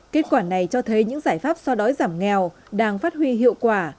kết quả này cho thấy những giải pháp so đói giảm nghèo đang phát huy hiệu quả